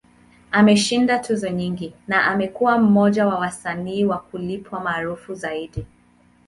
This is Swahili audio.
Ameshinda tuzo nyingi, na amekuwa mmoja wa wasanii wa kulipwa maarufu zaidi.